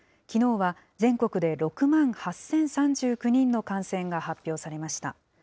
きのうは全国で６万８０３９人の感染が発表されました。